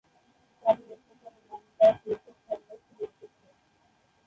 তাদের অত্যাচারে নানকার, কৃষক সবাই ছিল অতিষ্ঠ।